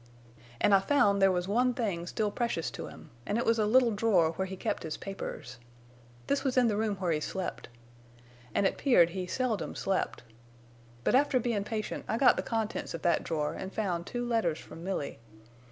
"An' I found there was one thing still precious to him, an' it was a little drawer where he kept his papers. This was in the room where he slept. An' it 'peared he seldom slept. But after bein' patient I got the contents of that drawer an' found two letters from Milly.